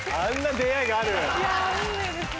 いや運命ですね。